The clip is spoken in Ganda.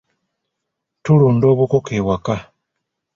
Tulunda obukoko ewaka.